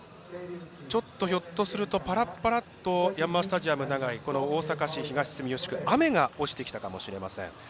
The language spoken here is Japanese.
ひょっとするとパラッとヤンマースタジアム長居大阪市東住吉区雨が降ってきたかもしれません。